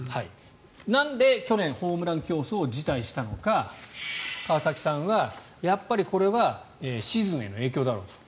なんで去年、ホームラン競争辞退したのか川崎さんはやっぱりこれはシーズンへの影響だろうと。